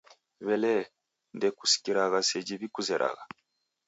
W'elee, ndekusikiragha seji w'ikuzeragha?